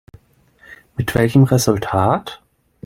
Mit welchem Resultat?